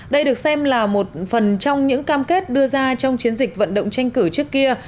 đây được xem là một phần trong những cam kết đưa ra trong chiến dịch vận động tranh cử trước kia